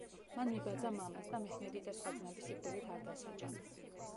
მან მიბაძა მამას და მეჰმედი და სხვა ძმები სიკვდილით არ დასაჯა.